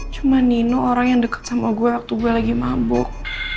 cuma nino orang yang dekat sama gue waktu gue lagi mabuk